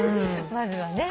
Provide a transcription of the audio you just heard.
まずはね。